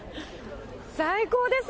最高です。